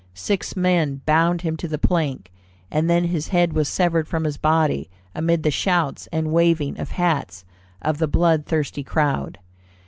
Six men bound him to the plank, and then his head was severed from his body amid the shouts and waving of hats of the blood thirsty crowd.